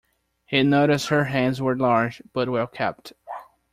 He noticed her hands were large, but well kept.